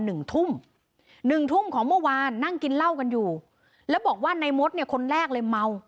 หนึ่งทุ่มหนึ่งทุ่มของเมื่อวานนั่งกินเหล้ากันอยู่แล้วบอกว่าในมดเนี่ยคนแรกเลยเมา